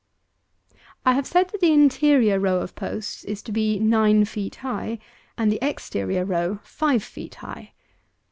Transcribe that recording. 252. I have said that the interior row of posts is to be nine feet high, and the exterior row five feet high.